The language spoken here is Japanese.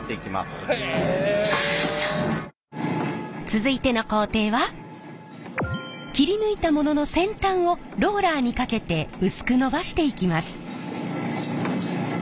続いての工程は切り抜いたものの先端をローラーにかけて薄くのばしていきます。